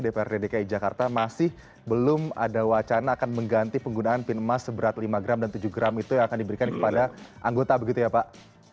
dprd dki jakarta masih belum ada wacana akan mengganti penggunaan pin emas seberat lima gram dan tujuh gram itu yang akan diberikan kepada anggota begitu ya pak